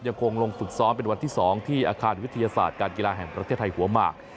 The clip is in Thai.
ยังคงลงฝึกซ้อมเป็นวันที่๒ที่อาคารวิทยาศาสตร์การกีฬาแห่งประเทศไทยหัวหมาก